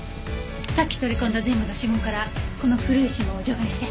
さっき取り込んだ全部の指紋からこの古い指紋を除外して。